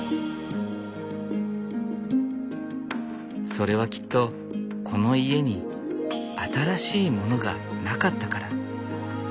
それはきっとこの家に新しいものがなかったから。